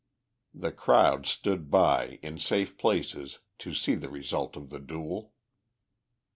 The crowd stood by, in safe places, to see the result of the duel.